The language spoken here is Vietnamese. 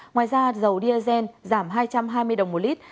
ngoài ra dầu diazen giảm hai trăm hai mươi đồng một lit